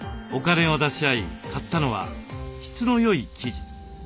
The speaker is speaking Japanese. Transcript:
お金を出し合い買ったのは質のよい生地。